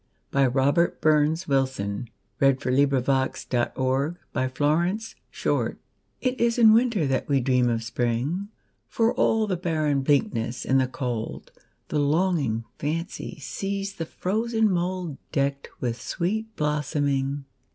By Robert BurnsWilson 1047 It Is in Winter That We Dream of Spring IT is in Winter that we dream of Spring; For all the barren bleakness and the cold, The longing fancy sees the frozen mouldDecked with sweet blossoming.